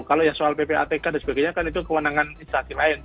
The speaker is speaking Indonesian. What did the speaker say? kalau yang soal ppatk dan sebagainya kan itu kewenangan instansi lain